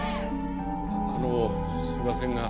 あのすいませんが。